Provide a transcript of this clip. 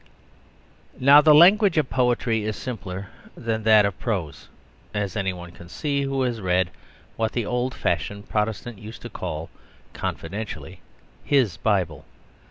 Now, the language of poetry is simpler than that of prose; as anyone can see who has read what the old fashioned protestant used to call confidently "his" Bible.